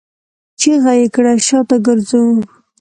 چيغه يې کړه! شاته ګرځو!